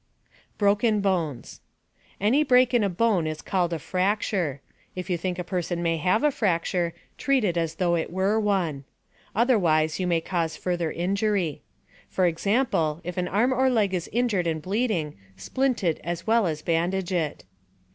BROKEN BONES Any break in a bone is called a fracture. If you think a person may have a fracture, treat it as though it were one. Otherwise, you may cause further injury. For example, if an arm or leg is injured and bleeding, splint it as well as bandage it.